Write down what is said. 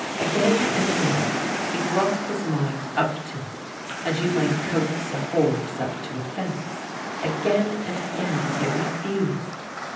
Again and again he brought his mind up to it as you might coax a horse up to a fence; again and again it refused.